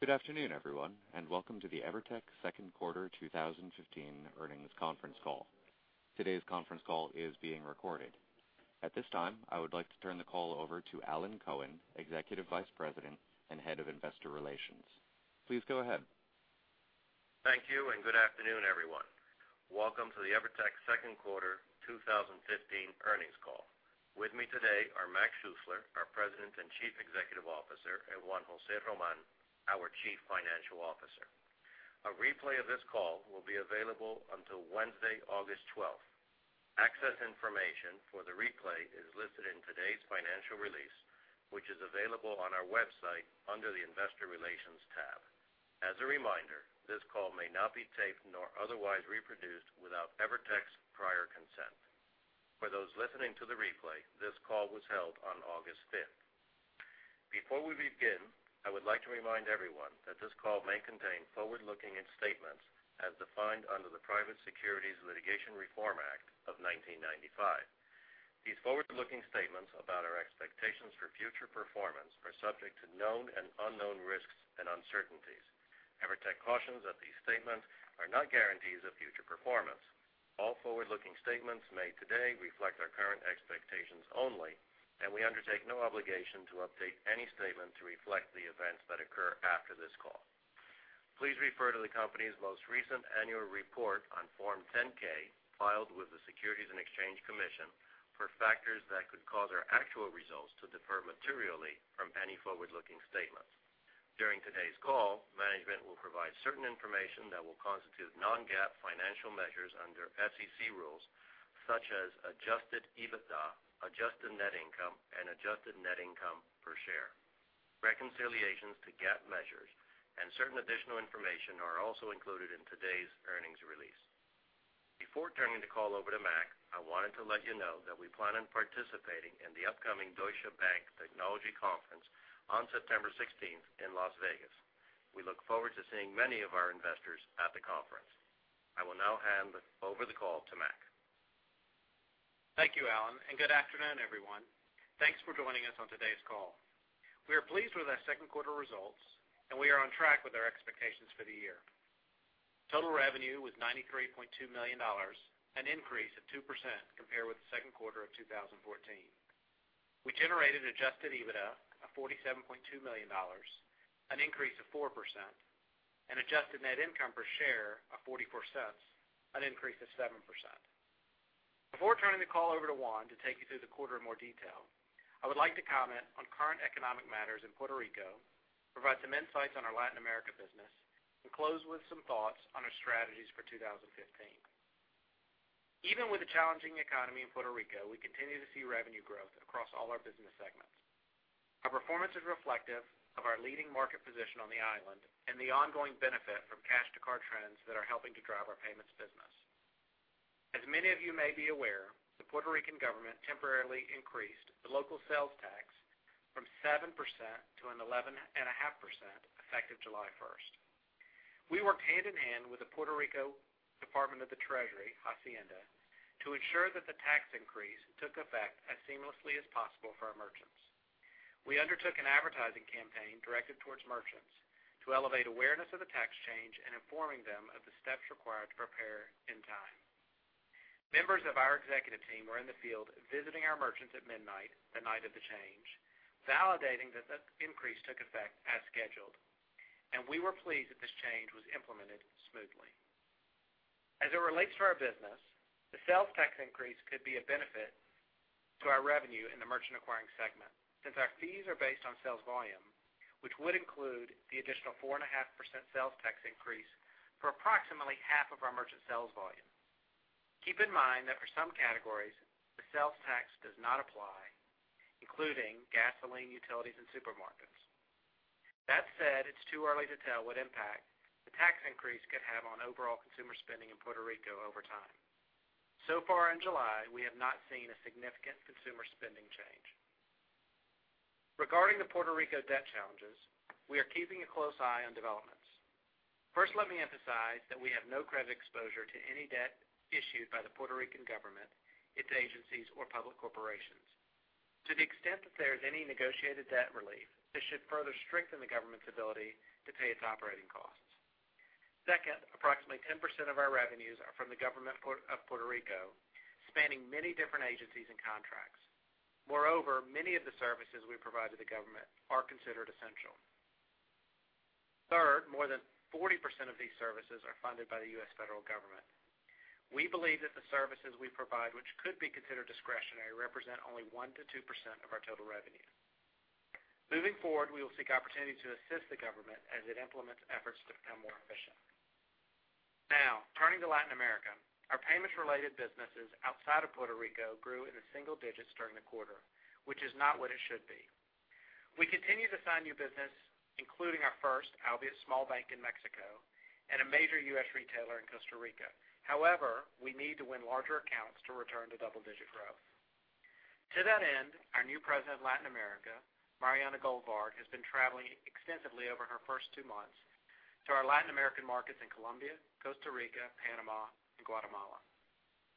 Good afternoon, everyone, and welcome to the EVERTEC second quarter 2015 earnings conference call. Today's conference call is being recorded. At this time, I would like to turn the call over to Alan Cohen, Executive Vice President and Head of Investor Relations. Please go ahead. Thank you, and good afternoon, everyone. Welcome to the EVERTEC second quarter 2015 earnings call. With me today are Mac Schuessler, our President and Chief Executive Officer, and Juan José Román, our Chief Financial Officer. A replay of this call will be available until Wednesday, August 12th. Access information for the replay is listed in today's financial release, which is available on our website under the investor relations tab. As a reminder, this call may not be taped nor otherwise reproduced without EVERTEC's prior consent. For those listening to the replay, this call was held on August 5th. Before we begin, I would like to remind everyone that this call may contain forward-looking statements as defined under the Private Securities Litigation Reform Act of 1995. These forward-looking statements about our expectations for future performance are subject to known and unknown risks and uncertainties. EVERTEC cautions that these statements are not guarantees of future performance. All forward-looking statements made today reflect our current expectations only, and we undertake no obligation to update any statement to reflect the events that occur after this call. Please refer to the company's most recent annual report on Form 10-K, filed with the Securities and Exchange Commission, for factors that could cause our actual results to differ materially from any forward-looking statements. During today's call, management will provide certain information that will constitute non-GAAP financial measures under SEC rules, such as adjusted EBITDA, adjusted net income, and adjusted net income per share. Reconciliations to GAAP measures and certain additional information are also included in today's earnings release. Before turning the call over to Mac, I wanted to let you know that we plan on participating in the upcoming Deutsche Bank Technology Conference on September 16th in Las Vegas. We look forward to seeing many of our investors at the conference. I will now hand over the call to Mac. Thank you, Alan, and good afternoon, everyone. Thanks for joining us on today's call. We are pleased with our second quarter results, and we are on track with our expectations for the year. Total revenue was $93.2 million, an increase of 2% compared with the second quarter of 2014. We generated adjusted EBITDA of $47.2 million, an increase of 4%, and adjusted net income per share of $0.44, an increase of 7%. Before turning the call over to Juan to take you through the quarter in more detail, I would like to comment on current economic matters in Puerto Rico, provide some insights on our Latin America business, and close with some thoughts on our strategies for 2015. Even with the challenging economy in Puerto Rico, we continue to see revenue growth across all our business segments. Our performance is reflective of our leading market position on the island and the ongoing benefit from cash to card trends that are helping to drive our payments business. Many of you may be aware, the Puerto Rican government temporarily increased the local sales tax from 7% to an 11.5% effective July 1st. We worked hand-in-hand with the Puerto Rico Department of the Treasury, Hacienda, to ensure that the tax increase took effect as seamlessly as possible for our merchants. We undertook an advertising campaign directed towards merchants to elevate awareness of the tax change and informing them of the steps required to prepare in time. Members of our executive team were in the field visiting our merchants at midnight the night of the change, validating that the increase took effect as scheduled, and we were pleased that this change was implemented smoothly. It relates to our business, the sales tax increase could be a benefit to our revenue in the merchant acquiring segment, since our fees are based on sales volume, which would include the additional 4.5% sales tax increase for approximately half of our merchant sales volume. Keep in mind that for some categories, the sales tax does not apply, including gasoline, utilities, and supermarkets. Said, it's too early to tell what impact the tax increase could have on overall consumer spending in Puerto Rico over time. Far in July, we have not seen a significant consumer spending change. Regarding the Puerto Rico debt challenges, we are keeping a close eye on developments. Let me emphasize that we have no credit exposure to any debt issued by the Puerto Rican government, its agencies, or public corporations. To the extent that there is any negotiated debt relief, this should further strengthen the government's ability to pay its operating costs. Approximately 10% of our revenues are from the government of Puerto Rico, spanning many different agencies and contracts. Moreover, many of the services we provide to the government are considered essential. More than 40% of these services are funded by the U.S. federal government. We believe that the services we provide, which could be considered discretionary, represent only 1%-2% of our total revenue. Moving forward, we will seek opportunities to assist the government as it implements efforts to become more efficient. Turning to Latin America. Our payments-related businesses outside of Puerto Rico grew in the single digits during the quarter, which is not what it should be. We continue to sign new business, including our first albeit small bank in Mexico and a major U.S. retailer in Costa Rica. However, we need to win larger accounts to return to double-digit growth. To that end, our new President of Latin America, Mariana Goldbarg, has been traveling extensively over her first two months to our Latin American markets in Colombia, Costa Rica, Panama, and Guatemala.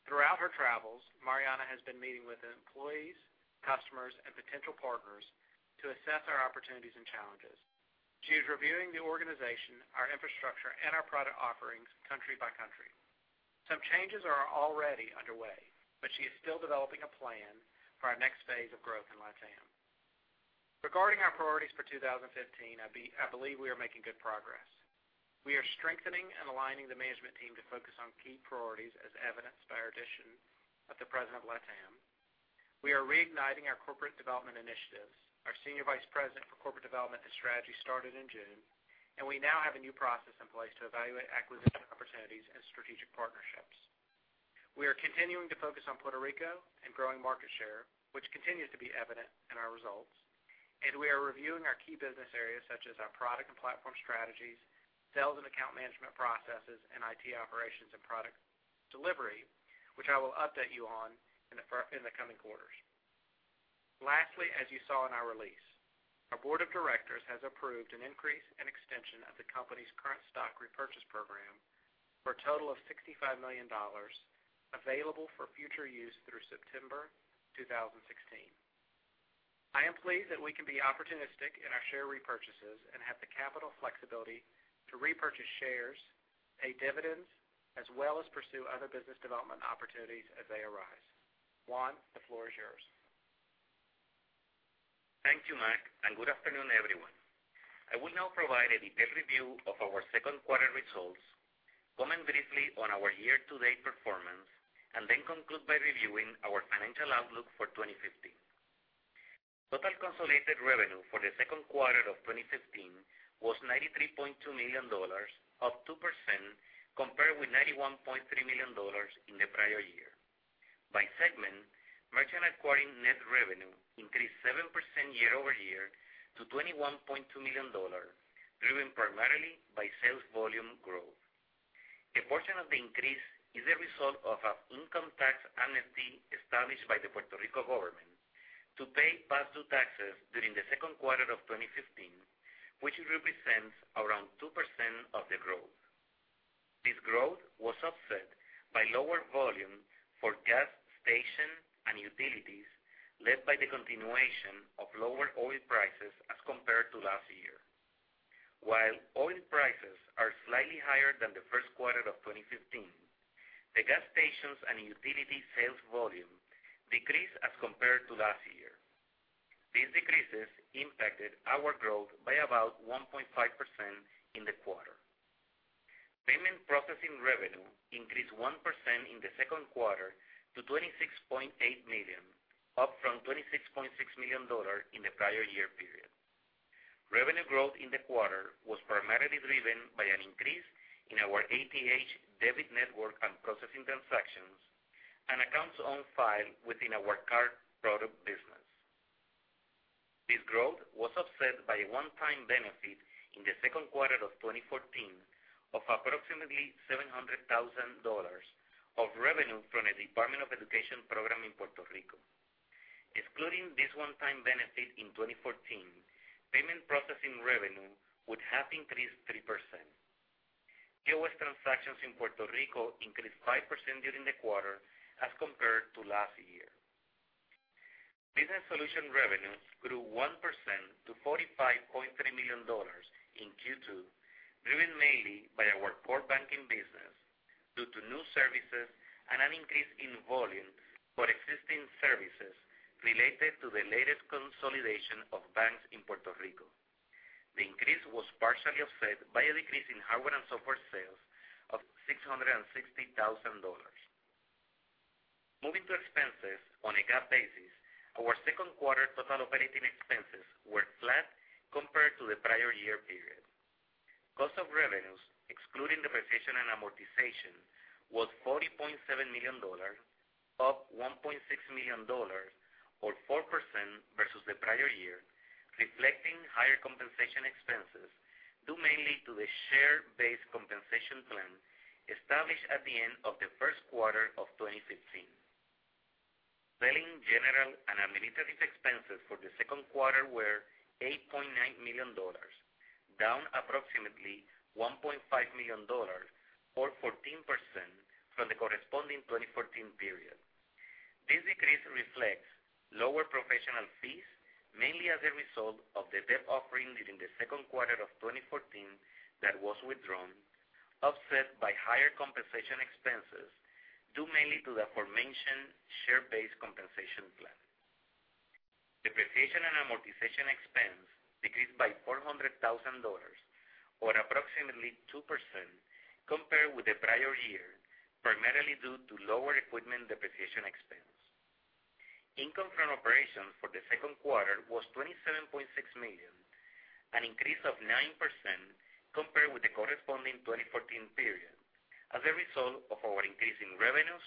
Throughout her travels, Mariana has been meeting with employees, customers, and potential partners to assess our opportunities and challenges. She is reviewing the organization, our infrastructure, and our product offerings country by country. Some changes are already underway, but she is still developing a plan for our next phase of growth in LatAm. Regarding our priorities for 2015, I believe we are making good progress. We are strengthening and aligning the management team to focus on key priorities, as evidenced by our addition of the President of LatAm. We are reigniting our corporate development initiatives. Our Senior Vice President for Corporate Development and Strategy started in June. We now have a new process in place to evaluate acquisition opportunities and strategic partnerships. We are continuing to focus on Puerto Rico and growing market share, which continues to be evident in our results. We are reviewing our key business areas such as our product and platform strategies, sales and account management processes, and IT operations and product delivery, which I will update you on in the coming quarters. Lastly, as you saw in our release, our board of directors has approved an increase and extension of the company's current stock repurchase program for a total of $65 million available for future use through September 2016. I am pleased that we can be opportunistic in our share repurchases and have the capital flexibility to repurchase shares, pay dividends, as well as pursue other business development opportunities as they arise. Juan, the floor is yours. Thank you, Mac, and good afternoon, everyone. I will now provide a detailed review of our second quarter results, comment briefly on our year-to-date performance. Then conclude by reviewing our financial outlook for 2015. Total consolidated revenue for the second quarter of 2015 was $93.2 million, up 2%, compared with $91.3 million in the prior year. By segment, merchant acquiring net revenue increased 7% year-over-year to $21.2 million, driven primarily by sales volume growth. A portion of the increase is a result of an income tax amnesty established by the Puerto Rico government to pay past due taxes during the second quarter of 2015, which represents around 2% of the growth. This growth was offset by lower volume for gas stations and utilities, led by the continuation of lower oil prices as compared to last year. While oil prices are slightly higher than the first quarter of 2015, the gas stations and utility sales volume decreased as compared to last year. These decreases impacted our growth by about 1.5% in the quarter. Payment processing revenue increased 1% in the second quarter to $26.8 million, up from $26.6 million in the prior year period. Revenue growth in the quarter was primarily driven by an increase in our ATH debit network and processing transactions and accounts on file within our card product business. This growth was offset by a one-time benefit in the second quarter of 2014 of approximately $700,000 of revenue from the Department of Education program in Puerto Rico. Excluding this one-time benefit in 2014, payment processing revenue would have increased 3%. POS transactions in Puerto Rico increased 5% during the quarter as compared to last year. Business Solutions revenue grew 1% to $45.3 million in Q2, driven mainly by our core banking business due to new services and an increase in volume for existing services related to the latest consolidation of banks in Puerto Rico. The increase was partially offset by a decrease in hardware and software sales of $660,000. Moving to expenses on a GAAP basis, our second quarter total operating expenses were flat compared to the prior year period. Cost of revenues, excluding depreciation and amortization, was $40.7 million, up $1.6 million or 4% versus the prior year, reflecting higher compensation expenses due mainly to the share-based compensation plan established at the end of the first quarter of 2015. Selling, general, and administrative expenses for the second quarter were $8.9 million, down approximately $1.5 million or 14% from the corresponding 2014 period. This decrease reflects lower professional fees, mainly as a result of the debt offering during the second quarter of 2014 that was withdrawn, offset by higher compensation expenses, due mainly to the aforementioned share-based compensation plan. Depreciation and amortization expense decreased by $400,000 or approximately 2% compared with the prior year, primarily due to lower equipment depreciation expense. Income from operations for the second quarter was $27.6 million, an increase of 9% compared with the corresponding 2014 period as a result of our increase in revenues,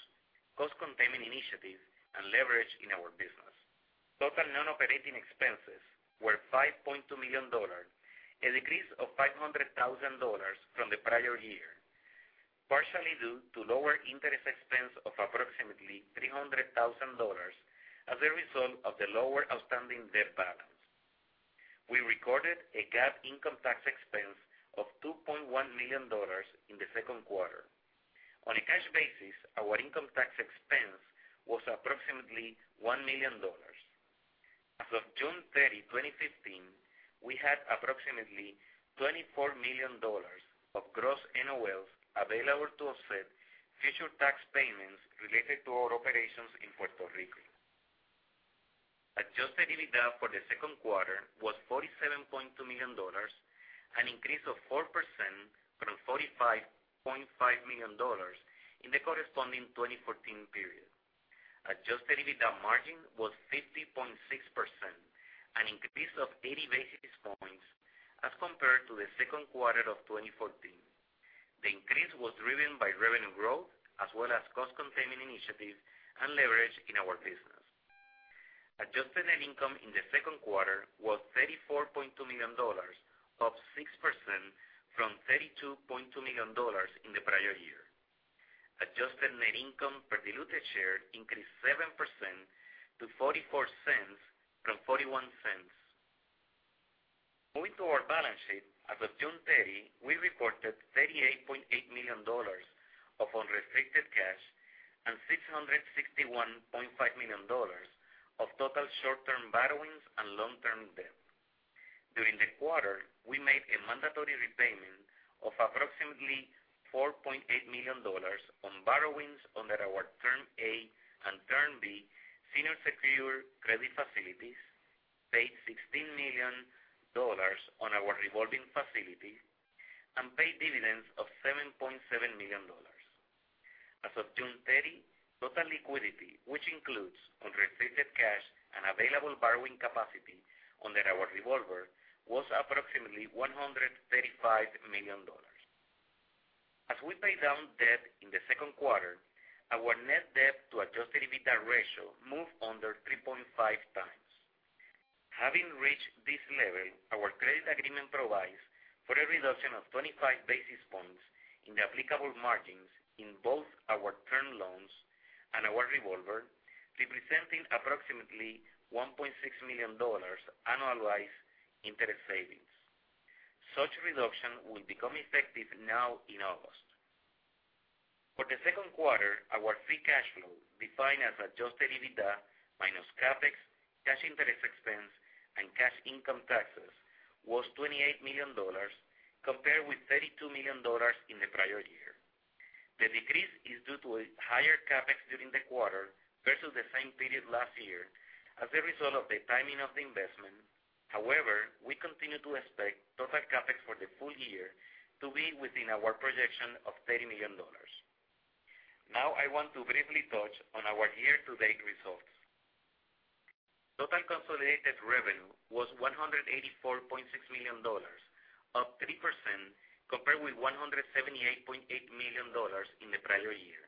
cost-containment initiatives, and leverage in our business. Total non-operating expenses were $5.2 million, a decrease of $500,000 from the prior year. Partially due to lower interest expense of approximately $300,000 as a result of the lower outstanding debt balance. We recorded a GAAP income tax expense of $2.1 million in the second quarter. On a cash basis, our income tax expense was approximately $1 million. As of June 30, 2015, we had approximately $24 million of gross NOLs available to offset future tax payments related to our operations in Puerto Rico. Adjusted EBITDA for the second quarter was $47.2 million, an increase of 4% from $45.5 million in the corresponding 2014 period. Adjusted EBITDA margin was 50.6%, an increase of 80 basis points as compared to the second quarter of 2014. The increase was driven by revenue growth as well as cost-containing initiatives and leverage in our business. Adjusted net income in the second quarter was $34.2 million, up 6% from $32.2 million in the prior year. Adjusted net income per diluted share increased 7% to $0.44 from $0.41. Moving to our balance sheet, as of June 30, we reported $38.8 million of unrestricted cash and $661.5 million of total short-term borrowings and long-term debt. During the quarter, we made a mandatory repayment of approximately $4.8 million on borrowings under our Term A and Term B senior secured credit facilities, paid $16 million on our revolving facility, and paid dividends of $7.7 million. As of June 30, total liquidity, which includes unrestricted cash and available borrowing capacity under our revolver, was approximately $135 million. As we pay down debt in the second quarter, our net debt to adjusted EBITDA ratio moved under 3.5 times. Having reached this level, our credit agreement provides for a reduction of 25 basis points in the applicable margins in both our term loans and our revolver, representing approximately $1.6 million annualized interest savings. Such reduction will become effective in August. For the second quarter, our free cash flow, defined as adjusted EBITDA minus CapEx, cash interest expense, and cash income taxes, was $28 million compared with $32 million in the prior year. The decrease is due to a higher CapEx during the quarter versus the same period last year as a result of the timing of the investment. We continue to expect total CapEx for the full year to be within our projection of $30 million. I want to briefly touch on our year-to-date results. Total consolidated revenue was $184.6 million, up 3%, compared with $178.8 million in the prior year.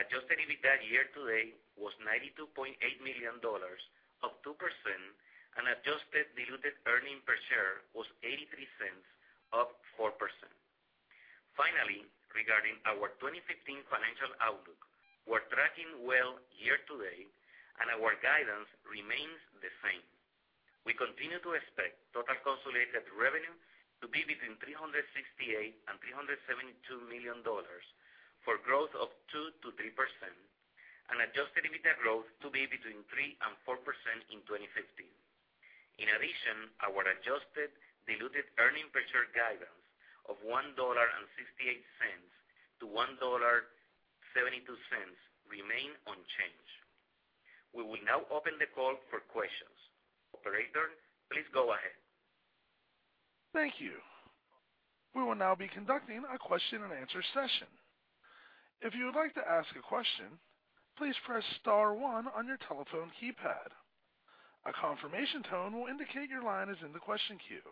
Adjusted EBITDA year to date was $92.8 million, up 2%, and adjusted diluted earnings per share was $0.83, up 4%. Regarding our 2015 financial outlook, we're tracking well year to date, and our guidance remains the same. We continue to expect total consolidated revenue to be between $368 million-$372 million, for growth of 2%-3%, and adjusted EBITDA growth to be between 3%-4% in 2015. Our adjusted diluted earnings per share guidance of $1.68-$1.72 remain unchanged. We will now open the call for questions. Operator, please go ahead. Thank you. We will now be conducting a question and answer session. If you would like to ask a question, please press star one on your telephone keypad. A confirmation tone will indicate your line is in the question queue.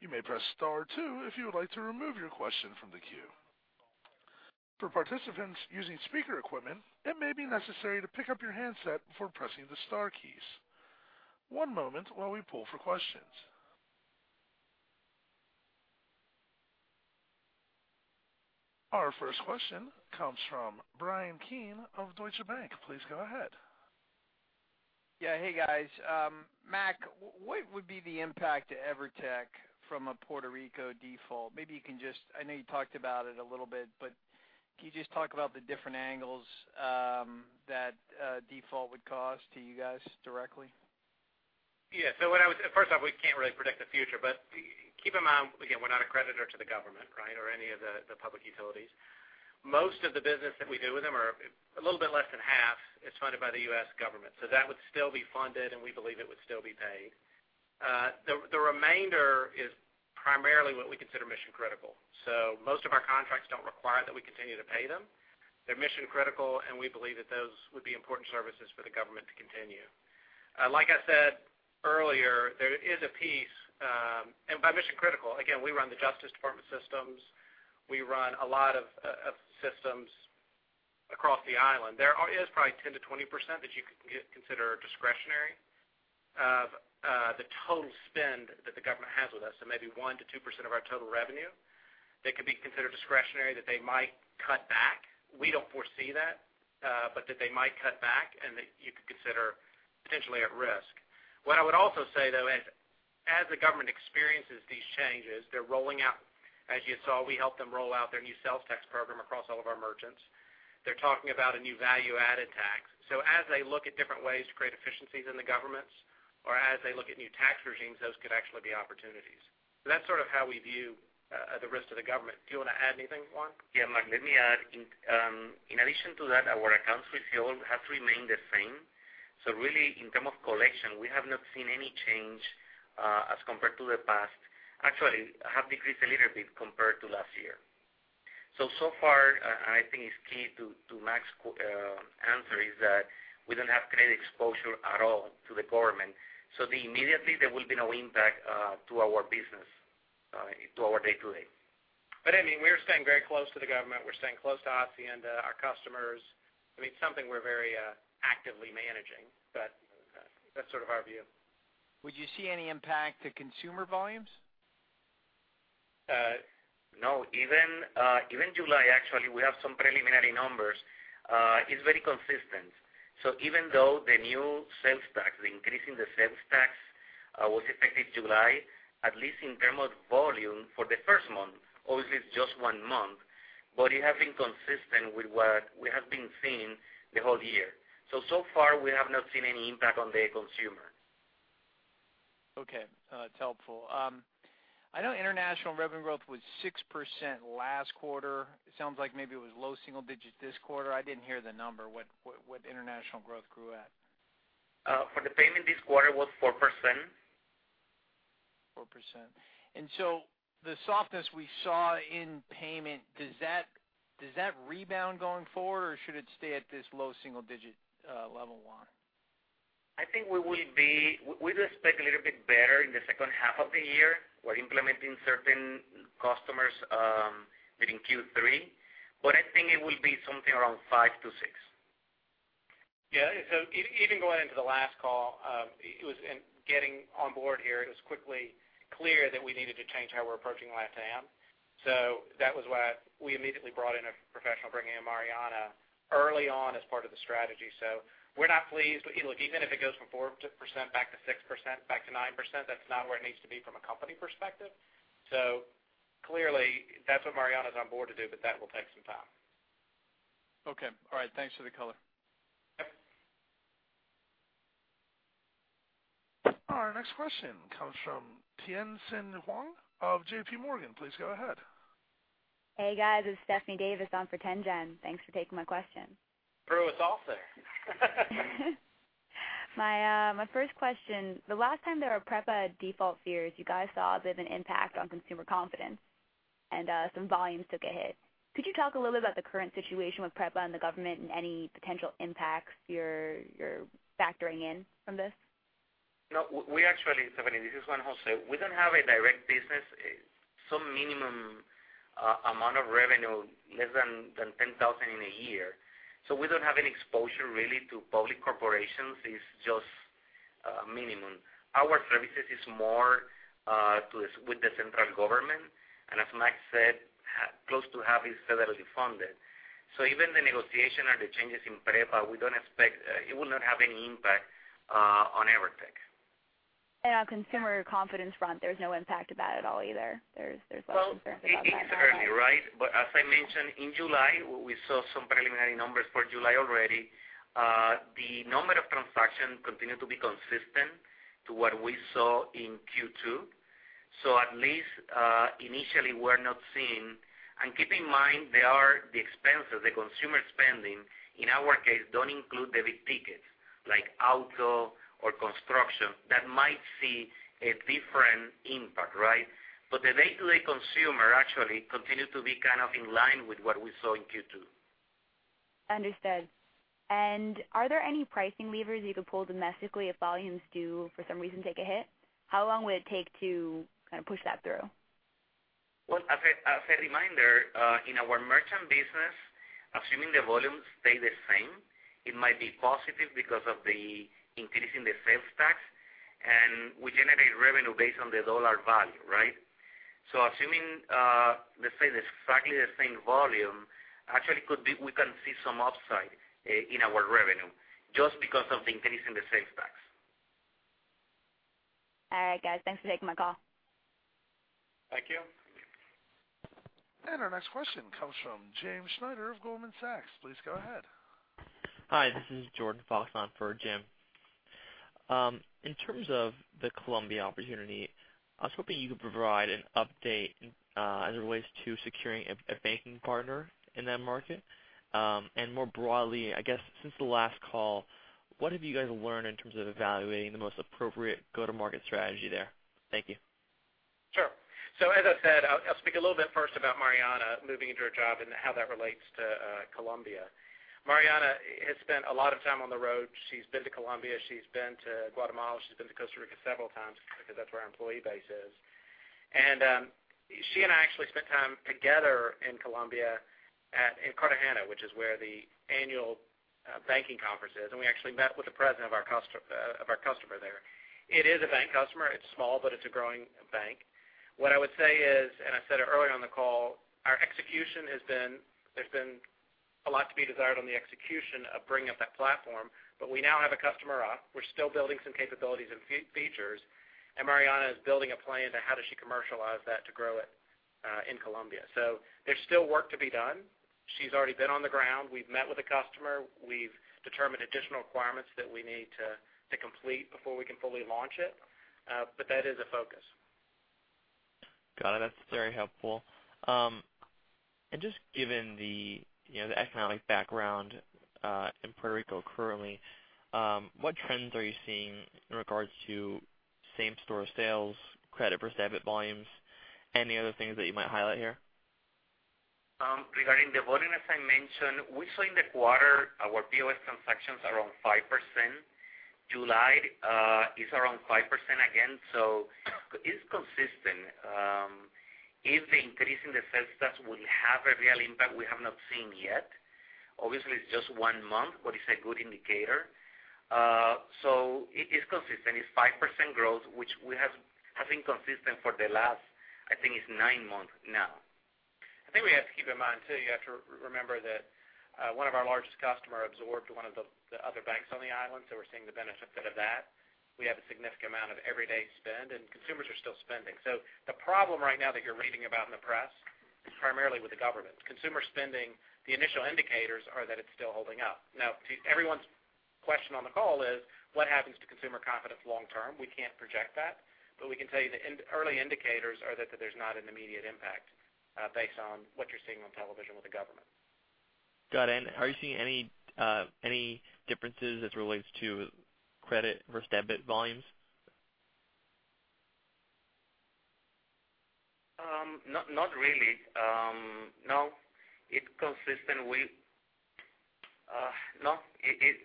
You may press star two if you would like to remove your question from the queue. For participants using speaker equipment, it may be necessary to pick up your handset before pressing the star keys. One moment while we pull for questions. Our first question comes from Bryan Keane of Deutsche Bank. Please go ahead. Yeah. Hey, guys. Mac, what would be the impact to EVERTEC from a Puerto Rico default? I know you talked about it a little bit, but can you just talk about the different angles that default would cause to you guys directly? Yeah. First off, we can't really predict the future. Keep in mind, again, we're not a creditor to the government or any of the public utilities. Most of the business that we do with them, or a little bit less than half, is funded by the U.S. government. That would still be funded, and we believe it would still be paid. The remainder is primarily what we consider mission-critical. Most of our contracts don't require that we continue to pay them. They're mission-critical, and we believe that those would be important services for the government to continue. Like I said earlier, by mission-critical, again, we run the Justice Department systems. We run a lot of systems Across the island. There is probably 10%-20% that you could consider discretionary of the total spend that the government has with us. Maybe 1%-2% of our total revenue that could be considered discretionary, that they might cut back. We don't foresee that. That they might cut back and that you could consider potentially at risk. What I would also say, though, as the government experiences these changes, they're rolling out, as you saw, we helped them roll out their new sales tax program across all of our merchants. They're talking about a new value-added tax. As they look at different ways to create efficiencies in the governments, or as they look at new tax regimes, those could actually be opportunities. That's sort of how we view the rest of the government. Do you want to add anything, Juan? Yeah, Mac, let me add. In addition to that, our accounts receivable have remained the same. Really, in term of collection, we have not seen any change, as compared to the past. Actually, have decreased a little bit compared to last year. So far, and I think it's key to Mac's answer, is that we don't have credit exposure at all to the government. Immediately, there will be no impact to our business, to our day-to-day. I mean, we are staying very close to the government. We're staying close to Hacienda, our customers. I mean, it's something we're very actively managing. That's sort of our view. Would you see any impact to consumer volumes? No. Even July, actually, we have some preliminary numbers. It's very consistent. Even though the new sales tax, the increase in the sales tax was effective July, at least in terms of volume for the first month, obviously it's just one month, it has been consistent with what we have been seeing the whole year. So far, we have not seen any impact on the consumer. Okay. That's helpful. I know international revenue growth was 6% last quarter. It sounds like maybe it was low single digits this quarter. I didn't hear the number, what international growth grew at. For the payment this quarter, it was 4%. 4%. The softness we saw in payment, does that rebound going forward, or should it stay at this low single-digit level, Juan? I think we'd expect a little bit better in the second half of the year. We're implementing certain customers within Q3. I think it will be something around 5%-6%. Even going into the last call, getting on board here, it was quickly clear that we needed to change how we're approaching LatAm. That was why we immediately brought in a professional, bringing in Mariana early on as part of the strategy. We're not pleased. Look, even if it goes from 4% back to 6%, back to 9%, that's not where it needs to be from a company perspective. Clearly, that's what Mariana's on board to do, but that will take some time. Okay. All right. Thanks for the color. Yep. Our next question comes from Tien-Tsin Huang of J.P. Morgan. Please go ahead. Hey, guys. It's Stephanie Davis on for Tien-Tsin. Thanks for taking my question. Throw us off there. My first question. The last time there were PREPA default fears, you guys saw a bit of an impact on consumer confidence, and some volumes took a hit. Could you talk a little bit about the current situation with PREPA and the government and any potential impacts you're factoring in from this? No. Stephanie, this is Juan José. We don't have a direct business. Some minimum amount of revenue, less than $10,000 in a year. We don't have any exposure really to public corporations. It's just minimum. Our services is more with the central government. As Mac said, close to half is federally funded. Even the negotiation or the changes in PREPA, it will not have any impact on EVERTEC. On consumer confidence front, there's no impact of that at all either? There's less concern about that right now? Well, it's early, right? As I mentioned, in July, we saw some preliminary numbers for July already. The number of transactions continued to be consistent to what we saw in Q2. At least, initially, we're not seeing. Keep in mind, the expenses, the consumer spending, in our case, don't include the big tickets like auto or construction. That might see a different impact, right? The day-to-day consumer actually continued to be kind of in line with what we saw in Q2. Understood. Are there any pricing levers you could pull domestically if volumes do, for some reason, take a hit? How long would it take to kind of push that through? Well, as a reminder, in our merchant business, assuming the volumes stay the same, it might be positive because of the increase in the sales tax. We generate revenue based on the dollar value, right? Assuming, let's say, exactly the same volume, actually, we can see some upside in our revenue, just because of the increase in the sales tax. All right, guys, thanks for taking my call. Thank you. our next question comes from James Snyder of Goldman Sachs. Please go ahead. Hi, this is Jordan Fox on for Jim. In terms of the Colombia opportunity, I was hoping you could provide an update as it relates to securing a banking partner in that market. More broadly, I guess since the last call, what have you guys learned in terms of evaluating the most appropriate go-to-market strategy there? Thank you. Sure. As I said, I'll speak a little bit first about Mariana moving into her job and how that relates to Colombia. Mariana has spent a lot of time on the road. She's been to Colombia, she's been to Guatemala, she's been to Costa Rica several times because that's where our employee base is. She and I actually spent time together in Colombia in Cartagena, which is where the annual banking conference is, and we actually met with the president of our customer there. It is a bank customer. It's small, but it's a growing bank. What I would say is, and I said it earlier on the call, there's been a lot to be desired on the execution of bringing up that platform. We now have a customer up. We're still building some capabilities and features, and Mariana is building a plan to how does she commercialize that to grow it in Colombia. There's still work to be done. She's already been on the ground. We've met with the customer. We've determined additional requirements that we need to complete before we can fully launch it. That is a focus. Got it. That's very helpful. Just given the economic background in Puerto Rico currently, what trends are you seeing in regards to same-store sales, credit versus debit volumes? Any other things that you might highlight here? Regarding the volume, as I mentioned, we saw in the quarter our POS transactions around 5%. July is around 5% again. It's consistent. If the increase in the sales tax will have a real impact, we have not seen yet. Obviously, it's just one month, but it's a good indicator. It is consistent. It's 5% growth, which has been consistent for the last, I think it's nine months now. I think we have to keep in mind, too, you have to remember that one of our largest customer absorbed one of the other banks on the island, so we're seeing the benefit of that. We have a significant amount of everyday spend, and consumers are still spending. The problem right now that you're reading about in the press is primarily with the government. Consumer spending, the initial indicators are that it's still holding up. Everyone's question on the call is what happens to consumer confidence long term? We can't project that, but we can tell you the early indicators are that there's not an immediate impact based on what you're seeing on television with the government. Got it. Are you seeing any differences as it relates to credit versus debit volumes? Not really. No. It's consistent with No.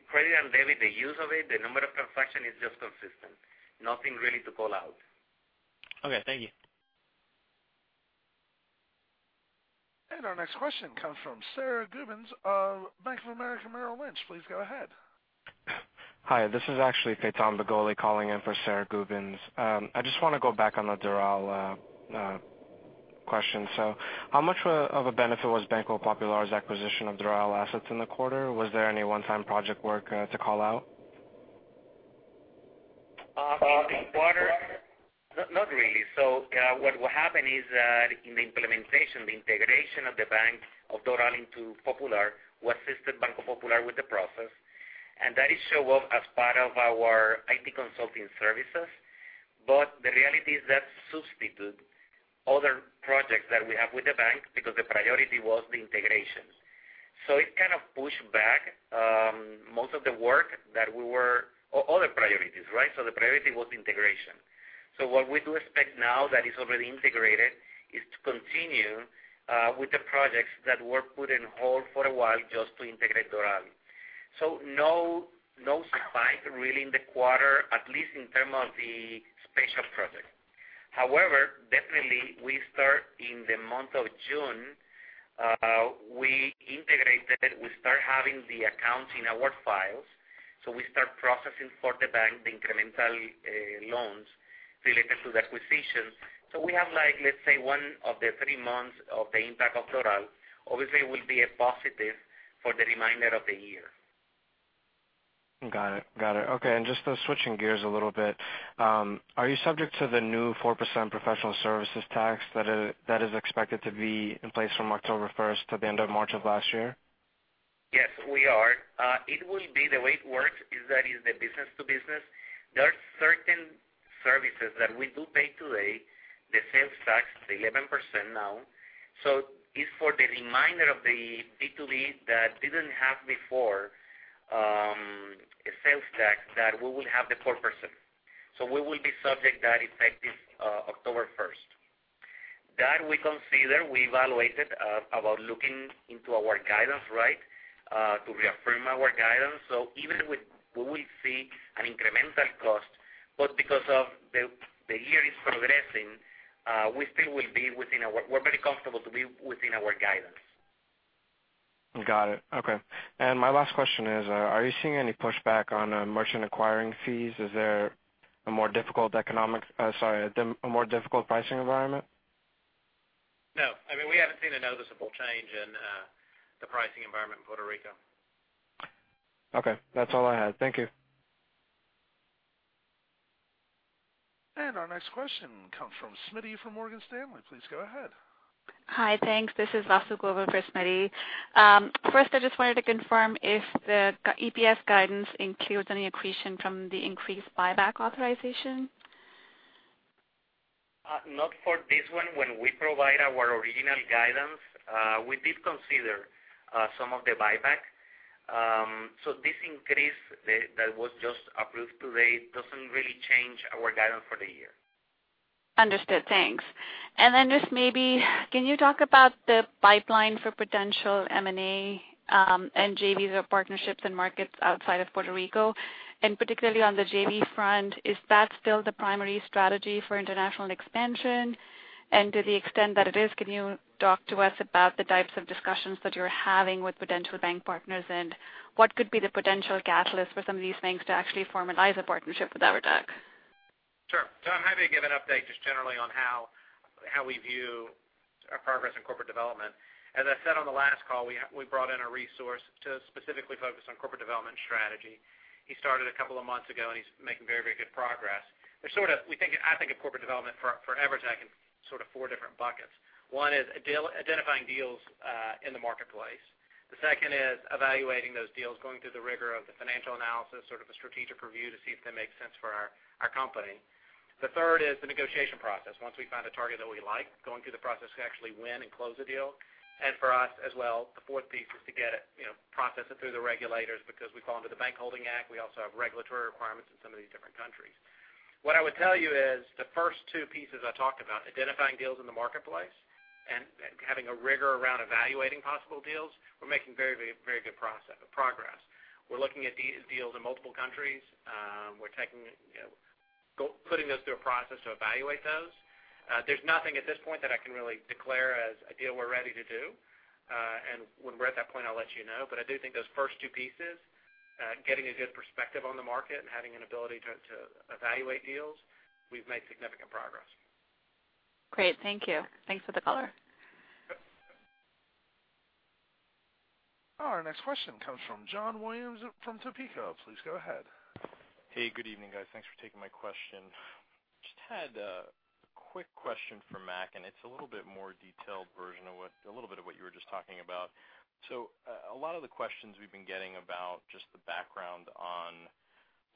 Credit and debit, the use of it, the number of transactions is just consistent. Nothing really to call out. Okay, thank you. Our next question comes from Sara Gubins of Bank of America Merrill Lynch. Please go ahead. Hi, this is actually Payom Bagheri calling in for Sara Gubins. I just want to go back on the Doral question. How much of a benefit was Banco Popular's acquisition of Doral assets in the quarter? Was there any one-time project work to call out? In the quarter? Not really. What will happen is that in the implementation, the integration of Doral Bank into Banco Popular, we assisted Banco Popular with the process. That it show up as part of our IT consulting services. The reality is that substitute other projects that we have with the bank because the priority was the integration. It kind of pushed back most of the work that we were, other priorities, right? The priority was integration. What we do expect now that it's already integrated is to continue with the projects that were put in hold for a while just to integrate Doral. No surprise really in the quarter, at least in terms of the special project. Definitely we start in the month of June. We integrated, we start having the accounts in our files. We start processing for the bank the incremental loans related to the acquisition. We have, let's say, one of the three months of the impact of Doral Bank. Obviously, it will be a positive for the remainder of the year. Got it. Okay. Just switching gears a little bit, are you subject to the new 4% professional services tax that is expected to be in place from October 1st to the end of March of last year? Yes, we are. It will be the way it works is that is the business-to-business. There are certain services that we do pay today, the sales tax is 11% now. It's for the remainder of the B2B that didn't have before sales tax that we will have the 4%. We will be subject that effective October 1st. That we consider, we evaluated about looking into our guidance, right? To reaffirm our guidance. Even with we will see an incremental cost. Because of the year is progressing, we still will be within our. We're very comfortable to be within our guidance. Got it. Okay. My last question is, are you seeing any pushback on merchant acquiring fees? Is there a more difficult pricing environment? No. We haven't seen a noticeable change in the pricing environment in Puerto Rico. Okay. That's all I had. Thank you. Our next question comes from Smiti from Morgan Stanley. Please go ahead. Hi, thanks. This is Vasu Govil for Smiti. First I just wanted to confirm if the EPS guidance includes any accretion from the increased buyback authorization. Not for this one. When we provide our original guidance, we did consider some of the buyback. This increase that was just approved today does not really change our guidance for the year. Understood. Thanks. Then just maybe, can you talk about the pipeline for potential M&A and JVs or partnerships in markets outside of Puerto Rico? Particularly on the JV front, is that still the primary strategy for international expansion? To the extent that it is, can you talk to us about the types of discussions that you're having with potential bank partners, and what could be the potential catalyst for some of these banks to actually formalize a partnership with EVERTEC? Sure. I am happy to give an update just generally on how we view our progress in corporate development. As I said on the last call, we brought in a resource to specifically focus on corporate development strategy. He started a couple of months ago, he's making very good progress. I think of corporate development for EVERTEC in sort of four different buckets. One is identifying deals in the marketplace. The second is evaluating those deals, going through the rigor of the financial analysis, sort of a strategic review to see if they make sense for our company. The third is the negotiation process. Once we find a target that we like, going through the process to actually win and close the deal. For us as well, the fourth piece is to process it through the regulators because we fall under the Bank Holding Act. We also have regulatory requirements in some of these different countries. What I would tell you is the first two pieces I talked about, identifying deals in the marketplace and having a rigor around evaluating possible deals, we're making very good progress. We're looking at deals in multiple countries. We're putting those through a process to evaluate those. There's nothing at this point that I can really declare as a deal we're ready to do. When we're at that point, I'll let you know. I do think those first two pieces, getting a good perspective on the market and having an ability to evaluate deals, we've made significant progress. Great. Thank you. Thanks for the color. Our next question comes from John Williams from Topeka. Please go ahead. Hey, good evening, guys. Thanks for taking my question. Just had a quick question for Mac, it's a little bit more detailed version of a little bit of what you were just talking about. A lot of the questions we've been getting about just the background on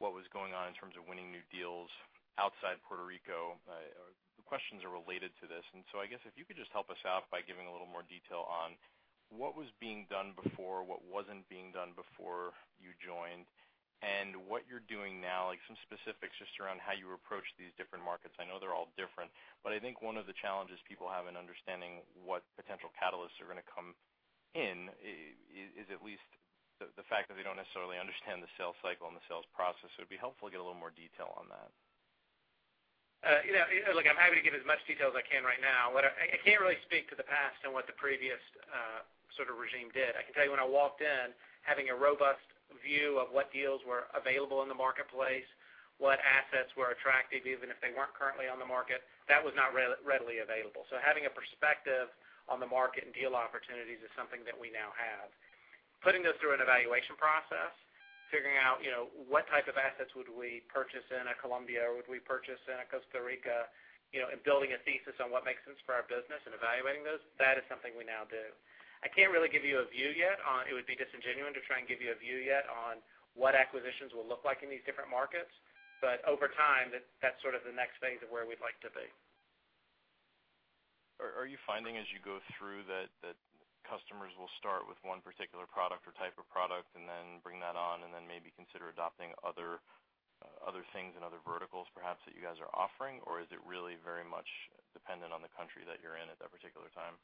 what was going on in terms of winning new deals outside Puerto Rico, the questions are related to this. I guess if you could just help us out by giving a little more detail on what was being done before, what wasn't being done before you joined, and what you're doing now, like some specifics just around how you approach these different markets. I know they're all different, I think one of the challenges people have in understanding what potential catalysts are going to come in is at least the fact that they don't necessarily understand the sales cycle and the sales process. It'd be helpful to get a little more detail on that. Look, I'm happy to give as much detail as I can right now. I can't really speak to the past and what the previous sort of regime did. I can tell you when I walked in, having a robust view of what deals were available in the marketplace, what assets were attractive, even if they weren't currently on the market, that was not readily available. Having a perspective on the market and deal opportunities is something that we now have. Putting those through an evaluation process, figuring out what type of assets would we purchase in a Colombia, or would we purchase in a Costa Rica, and building a thesis on what makes sense for our business and evaluating those, that is something we now do. I can't really give you a view yet. It would be disingenuous to try and give you a view yet on what acquisitions will look like in these different markets. Over time, that's sort of the next phase of where we'd like to be. Are you finding as you go through that customers will start with one particular product or type of product and then bring that on and then maybe consider adopting other things and other verticals perhaps that you guys are offering, or is it really very much dependent on the country that you're in at that particular time?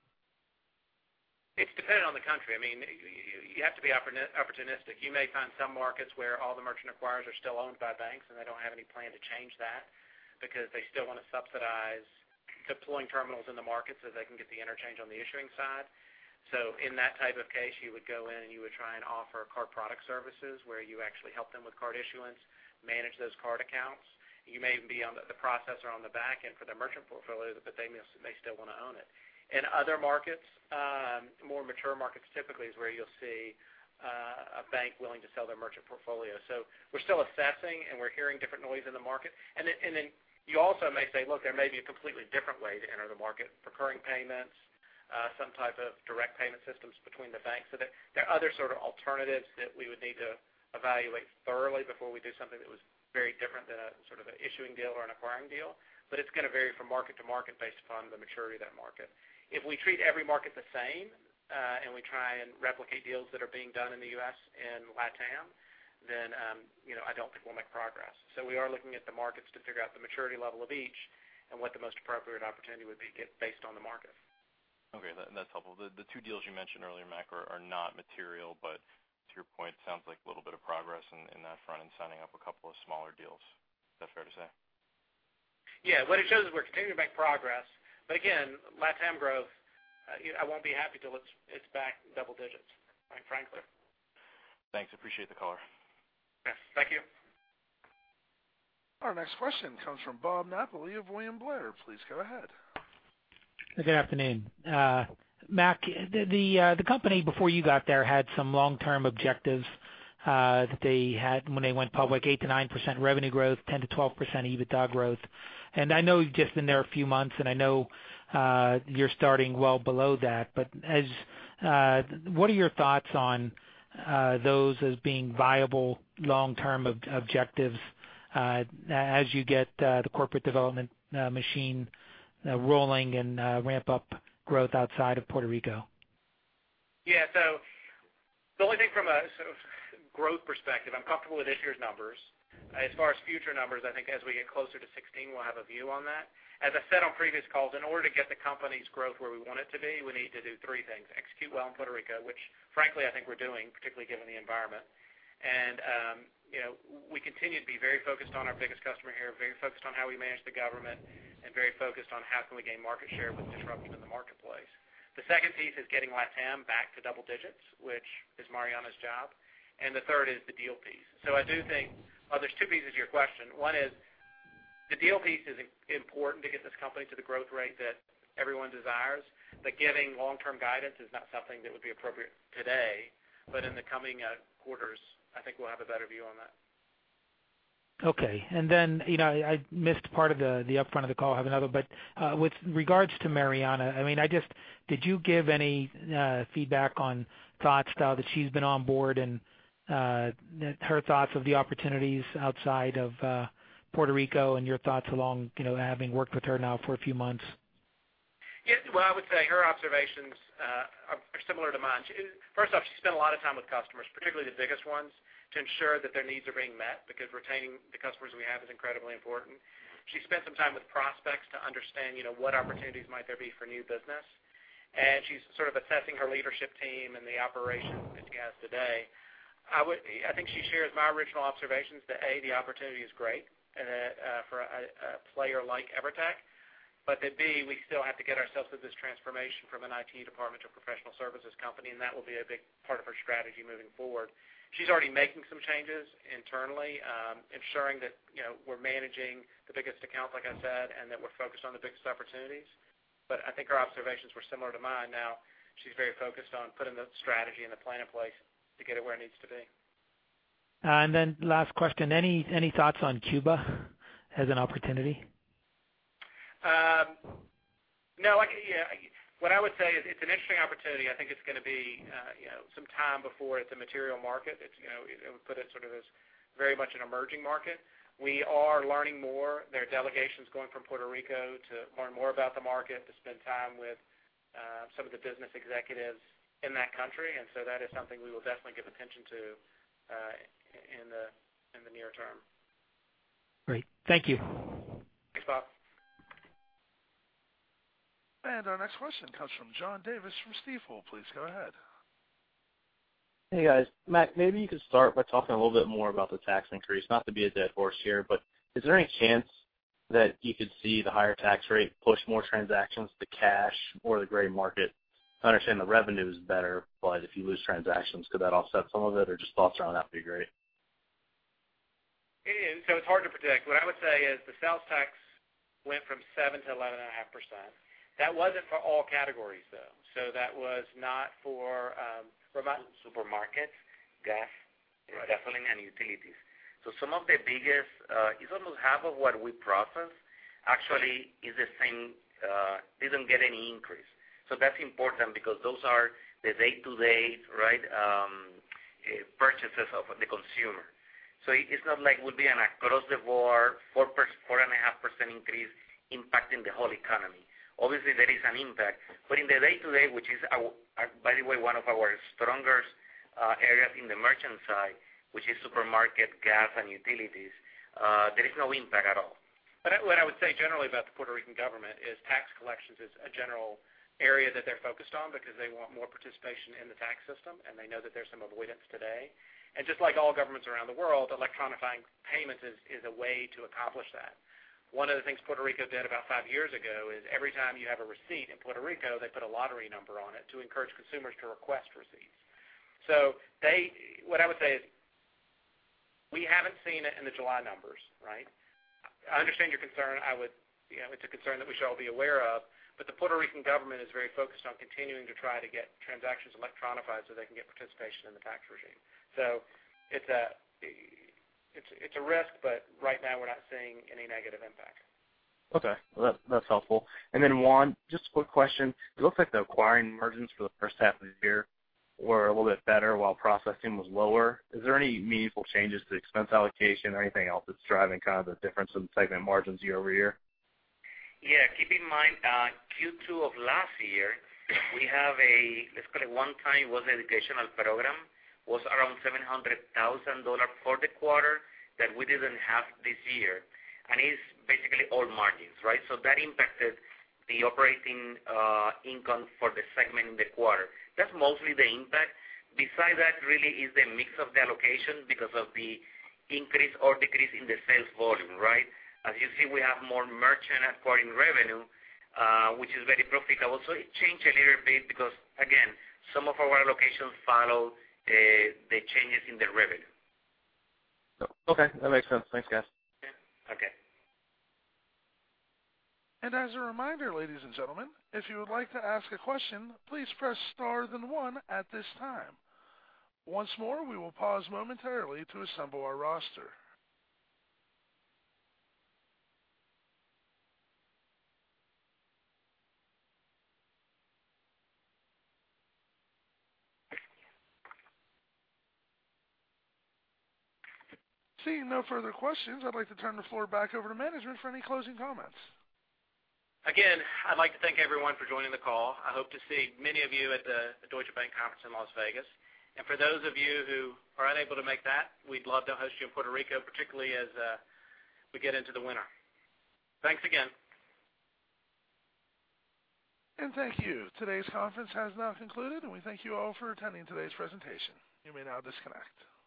It's dependent on the country. You have to be opportunistic. You may find some markets where all the merchant acquirers are still owned by banks, and they don't have any plan to change that because they still want to subsidize deploying terminals in the market so they can get the interchange on the issuing side. In that type of case, you would go in and you would try and offer card product services where you actually help them with card issuance, manage those card accounts. You may even be the processor on the back end for their merchant portfolio, but they may still want to own it. In other markets, more mature markets typically is where you'll see a bank willing to sell their merchant portfolio. We're still assessing, and we're hearing different noise in the market. You also may say, look, there may be a completely different way to enter the market, recurring payments, some type of direct payment systems between the banks. There are other sort of alternatives that we would need to evaluate thoroughly before we do something that was very different than a sort of an issuing deal or an acquiring deal. It's going to vary from market to market based upon the maturity of that market. If we treat every market the same, and we try and replicate deals that are being done in the U.S. and LatAm, then I don't think we'll make progress. We are looking at the markets to figure out the maturity level of each and what the most appropriate opportunity would be based on the market. Okay. That's helpful. The two deals you mentioned earlier, Mac, are not material, but to your point, it sounds like a little bit of progress in that front and signing up a couple of smaller deals. Is that fair to say? Yeah. What it shows is we're continuing to make progress. Again, LatAm growth, I won't be happy till it's back in double digits, quite frankly. Thanks. Appreciate the color. Yeah. Thank you. Our next question comes from Bob Napoli of William Blair. Please go ahead. Good afternoon. Mac, the company before you got there had some long-term objectives that they had when they went public, 8%-9% revenue growth, 10%-12% EBITDA growth. I know you've just been there a few months, and I know you're starting well below that. What are your thoughts on those as being viable long-term objectives as you get the corporate development machine rolling and ramp up growth outside of Puerto Rico? Yes. The only thing from a growth perspective, I'm comfortable with this year's numbers. As far as future numbers, I think as we get closer to 2016, we'll have a view on that. As I said on previous calls, in order to get the company's growth where we want it to be, we need to do three things. Execute well in Puerto Rico, which frankly, I think we're doing, particularly given the environment. We continue to be very focused on our biggest customer here, very focused on how we manage the government, and very focused on how can we gain market share with disruption in the marketplace. The second piece is getting LatAm back to double digits, which is Mariana's job, and the third is the deal piece. I do think there's two pieces to your question. One is the deal piece is important to get this company to the growth rate that everyone desires. Giving long-term guidance is not something that would be appropriate today. In the coming quarters, I think we'll have a better view on that. Okay. Then, I missed part of the upfront of the call, I have another. With regards to Mariana, did you give any feedback on thoughts now that she's been on board and her thoughts of the opportunities outside of Puerto Rico and your thoughts along, having worked with her now for a few months? Yes. Well, I would say her observations are similar to mine. First off, she spent a lot of time with customers, particularly the biggest ones, to ensure that their needs are being met, because retaining the customers we have is incredibly important. She spent some time with prospects to understand what opportunities might there be for new business, and she's sort of assessing her leadership team and the operations that she has today. I think she shares my original observations that, A, the opportunity is great for a player like EVERTEC, but that, B, we still have to get ourselves through this transformation from an IT department to professional services company, and that will be a big part of her strategy moving forward. She's already making some changes internally, ensuring that we're managing the biggest accounts, like I said, that we're focused on the biggest opportunities. I think her observations were similar to mine. She's very focused on putting the strategy and the plan in place to get it where it needs to be. Last question, any thoughts on Cuba as an opportunity? No. What I would say is it's an interesting opportunity. I think it's going to be some time before it's a material market. I would put it sort of as very much an emerging market. We are learning more. There are delegations going from Puerto Rico to learn more about the market, to spend time with some of the business executives in that country, that is something we will definitely give attention to in the near term. Great. Thank you. Thanks, Bob. Our next question comes from John Davis from Stifel. Please go ahead. Hey, guys. Mac, maybe you could start by talking a little bit more about the tax increase. Not to be a dead horse here, but is there any chance that you could see the higher tax rate push more transactions to cash or the gray market? I understand the revenue is better, but if you lose transactions, could that offset some of it, or just thoughts around that would be great. It's hard to predict. What I would say is the sales tax went from 7% to 11.5%. That wasn't for all categories, though. Supermarkets, gas- Right gasoline, and utilities. Some of the biggest, it's almost half of what we process actually didn't get any increase. That's important because those are the day-to-day purchases of the consumer. It's not like would be an across the board 4.5% increase impacting the whole economy. Obviously, there is an impact, but in the day-to-day, which is, by the way, one of our stronger areas in the merchant side, which is supermarket, gas, and utilities, there is no impact at all. What I would say generally about the Puerto Rican government is tax collections is a general area that they're focused on because they want more participation in the tax system, and they know that there's some avoidance today. Just like all governments around the world, electronifying payments is a way to accomplish that. One of the things Puerto Rico did about five years ago is every time you have a receipt in Puerto Rico, they put a lottery number on it to encourage consumers to request receipts. What I would say is we haven't seen it in the July numbers. I understand your concern. It's a concern that we should all be aware of, but the Puerto Rican government is very focused on continuing to try to get transactions electronified so they can get participation in the tax regime. It's a risk, but right now, we're not seeing any negative impact. Okay. Well, that's helpful. Juan, just a quick question. It looks like the acquiring margins for the first half of the year were a little bit better while processing was lower. Is there any meaningful changes to expense allocation or anything else that's driving kind of the difference in segment margins year-over-year? Keep in mind, Q2 of last year, we have a, let's call it one-time, it was an educational program, was around $700,000 for the quarter that we didn't have this year, and it's basically all margins, right? That impacted the operating income for the segment in the quarter. That's mostly the impact. Besides that really is the mix of the allocation because of the increase or decrease in the sales volume. As you see, we have more merchant acquiring revenue, which is very profitable. It changed a little bit because, again, some of our allocations follow the changes in the revenue. Okay. That makes sense. Thanks, guys. Okay. As a reminder, ladies and gentlemen, if you would like to ask a question, please press star then one at this time. Once more, we will pause momentarily to assemble our roster. Seeing no further questions, I'd like to turn the floor back over to management for any closing comments. Again, I'd like to thank everyone for joining the call. I hope to see many of you at the Deutsche Bank conference in Las Vegas. For those of you who are unable to make that, we'd love to host you in Puerto Rico, particularly as we get into the winter. Thanks again. Thank you. Today's conference has now concluded, and we thank you all for attending today's presentation. You may now disconnect.